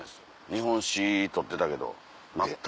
日本史取ってたけど全く。